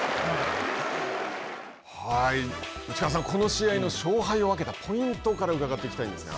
内川さん、この試合の勝敗を分けたポイントから伺っていきたいんですが。